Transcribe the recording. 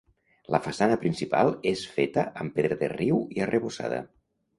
La façana principal és feta amb pedra de riu i arrebossada.